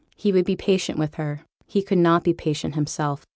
He would be patient with her; he could not be patient himself.